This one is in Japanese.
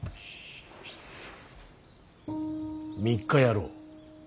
３日やろう。